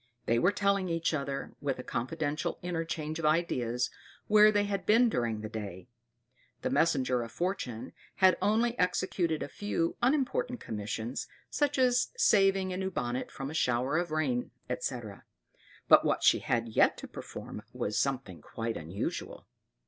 They were telling each other, with a confidential interchange of ideas, where they had been during the day. The messenger of Fortune had only executed a few unimportant commissions, such as saving a new bonnet from a shower of rain, etc.; but what she had yet to perform was something quite unusual.